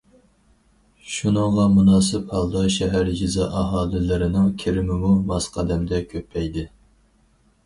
شۇنىڭغا مۇناسىپ ھالدا شەھەر، يېزا ئاھالىلىرىنىڭ كىرىمىمۇ ماس قەدەمدە كۆپەيدى.